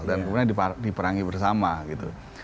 dan kemudian diperangi bersama gitu